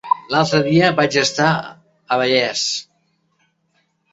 L'altre dia vaig estar a Vallés.